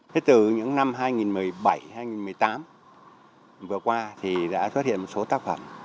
thế từ những năm hai nghìn một mươi bảy hai nghìn một mươi tám vừa qua thì đã xuất hiện một số tác phẩm